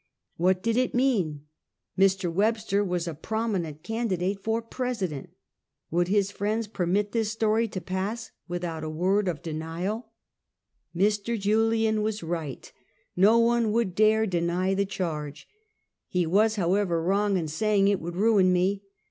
What did it mean ? Mr. Webster was a prominent candidate for President. Would his friends permit this story to pass without a word of denial? Mr. Daniel "Webster. 135 Julian was right; no one would dare deny the charge. He was, however, wrong in saying it would ruin me.